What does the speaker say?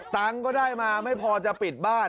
ตังค์ก็ได้มาไม่พอจะปิดบ้าน